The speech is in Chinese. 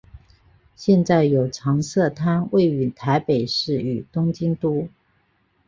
现在有常设摊位于台北市与东京都。